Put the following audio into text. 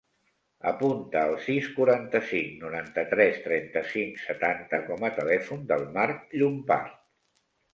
Apunta el sis, quaranta-cinc, noranta-tres, trenta-cinc, setanta com a telèfon del Mark Llompart.